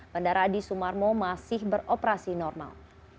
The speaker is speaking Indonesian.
bandara adi sumarmo masih beroperasi normal